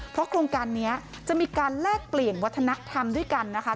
เพราะโครงการนี้จะมีการแลกเปลี่ยนวัฒนธรรมด้วยกันนะคะ